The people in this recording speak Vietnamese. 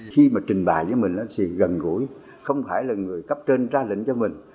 khi mà trình bài với mình anh sĩ gần gũi không phải là người cấp trên ra lệnh cho mình